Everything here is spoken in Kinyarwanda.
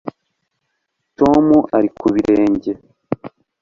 Tom ari ku birenge